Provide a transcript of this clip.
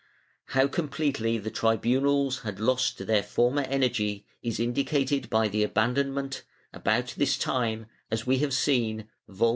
^ How completely the tribunals had lost their former energy is indicated by the abandonment, about this time, as we have seen (Vol.